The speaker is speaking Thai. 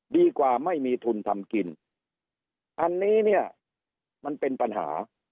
ดีกว่าไม่มีทุนทำกินอันนี้เนี่ยมันเป็นปัญหา